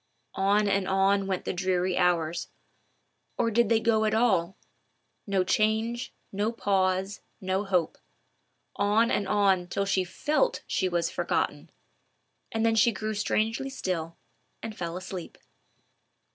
On and on went the dreary hours—or did they go at all?—"no change, no pause, no hope;"—on and on till she felt she was forgotten, and then she grew strangely still and fell asleep.